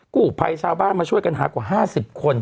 กู้ภัยชาวบ้านมาช่วยกันหากว่า๕๐คน